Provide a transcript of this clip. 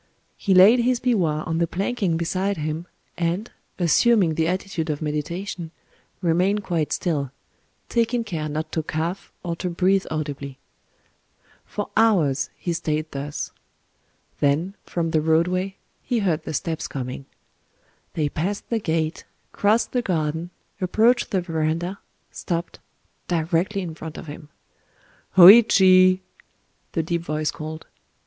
He laid his biwa on the planking beside him, and, assuming the attitude of meditation, remained quite still,—taking care not to cough, or to breathe audibly. For hours he stayed thus. Then, from the roadway, he heard the steps coming. They passed the gate, crossed the garden, approached the verandah, stopped—directly in front of him. "Hōïchi!" the deep voice called.